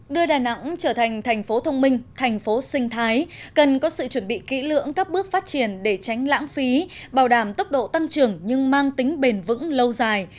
đưa đà nẵng trở thành thành phố thông minh thành phố sinh thái cần có sự chuẩn bị kỹ lưỡng các bước phát triển để tránh lãng phí bảo đảm tốc độ tăng trưởng nhưng mang tính bền vững lâu dài